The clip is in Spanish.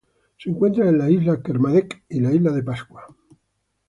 Se encuentran en las Islas Kermadec y la Isla de Pascua.